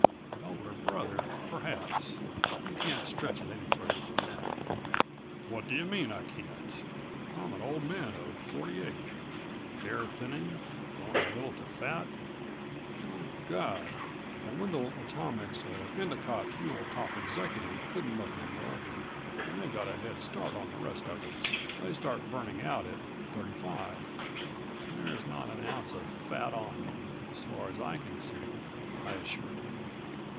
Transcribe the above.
An older brother, perhaps. You can't stretch it any further than that." "What do you mean I can't? I'm an old man of forty eight. Hair thinning, going a little to fat. My God, a Wendel Atomics or Endicott Fuel top executive couldn't look any older, and they've got a head start on the rest of us. They start burning out at thirty five." "There's not an ounce of fat on you, as far as I can see," I assured him.